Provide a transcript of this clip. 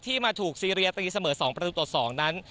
ที่มาถูกซีเรียสติเสมอ๒ประตูต่อศูนย์นั้น